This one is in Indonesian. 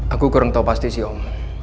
aku kurang tahu pasti sih om